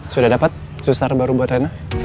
sudah dapat susar baru buat rena